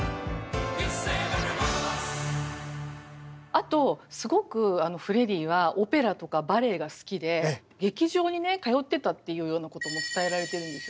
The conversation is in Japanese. あとすごくフレディはオペラとかバレエが好きで劇場にね通ってたっていうようなことも伝えられているんですよね。